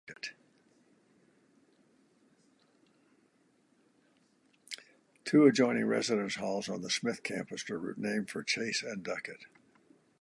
Two adjoining residence halls on the Smith campus are named for Chase and Duckett.